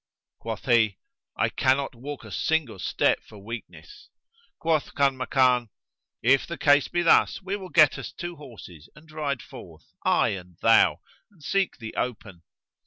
Quoth he, "I cannot walk a single step for weakness." Quoth Kanmakan, "If the case be thus we will get us two horses and ride forth, I and thou, and seek the open."